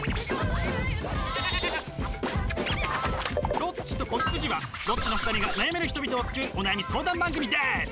「ロッチと子羊」はロッチの２人が悩める人々を救うお悩み相談番組です！